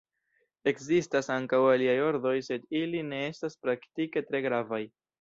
Ekzistas ankaŭ aliaj ordoj, sed ili ne estas praktike tre gravaj.